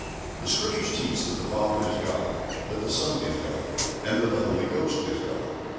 The Scriptures teach that the Father is God, that the Son is God, and that the Holy Ghost is God.